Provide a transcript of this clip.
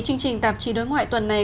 chương trình tạp chí đối ngoại tuần này